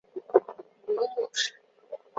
母母氏。